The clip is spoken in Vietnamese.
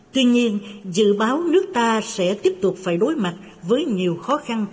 tuy nhiên dự báo nước ta sẽ tiếp tục phải đối mặt với nhiều khó khăn